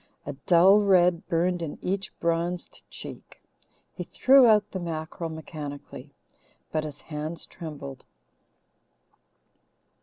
A dull red burned in each bronzed cheek. He threw out the mackerel mechanically, but his hands trembled.